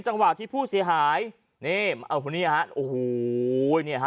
จังหวะที่ผู้เสียหายนี่เอาคนนี้ฮะโอ้โหเนี่ยฮะ